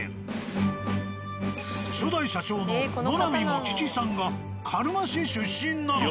初代社長の野並茂吉さんが鹿沼市出身なのだ。